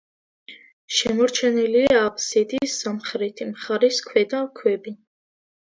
შემორჩენილია აბსიდის სამხრეთი მხარის ქვედა ქვები.